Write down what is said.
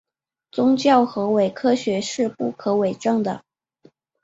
宗教和伪科学是不可证伪的。